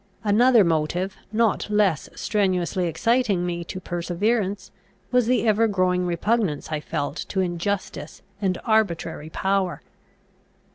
Another motive, not less strenuously exciting me to perseverance, was the ever growing repugnance I felt to injustice and arbitrary power.